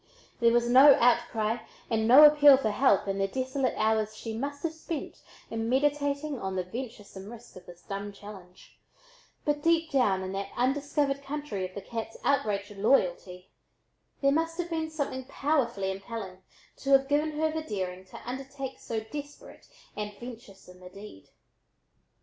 There was no outcry and no appeal for help in the desolate hours she must have spent in meditating on the venturesome risk of this dumb challenge, but deep down in that undiscovered country of the cat's outraged loyalty, there must have been something powerfully impelling to have given her the daring to undertake so desperate and venturesome a deed.